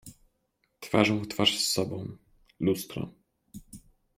Twarzą w twarz z sobą: lustro.